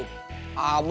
mba beli cabut